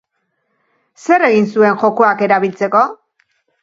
Zer egin zuen jokoak erabiltzeko?